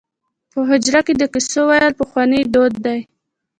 په حجره کې د کیسو ویل پخوانی دود دی.